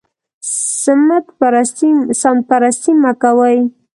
سمت پرستي مه کوئ